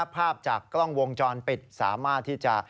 ภาพจากกล้องวงจรปิดสามารถที่จะ